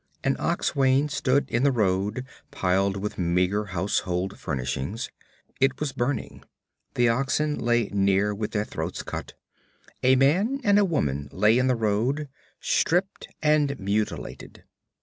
An ox wain stood in the road piled with meager household furnishings; it was burning; the oxen lay near with their throats cut. A man and a woman lay in the road, stripped and mutilated.